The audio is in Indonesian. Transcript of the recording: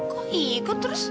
kok ikut terus